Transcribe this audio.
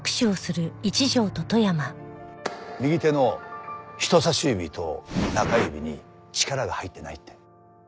右手の人さし指と中指に力が入ってないって。